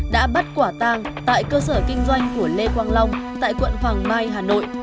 đã bắt quả tang tại cơ sở kinh doanh của lê quang long tại quận hoàng mai hà nội